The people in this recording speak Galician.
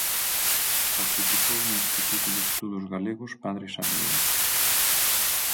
Participou no Instituto de Estudos Galegos Padre Sarmiento.